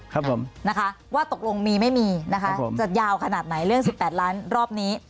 ครับผมนะคะว่าตกลงมีไม่มีนะคะจะยาวขนาดไหนเรื่องสิบแปดล้านรอบนี้